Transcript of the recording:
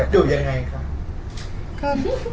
ดูยังไงคะ